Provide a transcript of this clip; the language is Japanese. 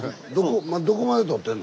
どこまで撮ってんの？